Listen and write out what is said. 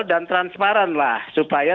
dan transparanlah supaya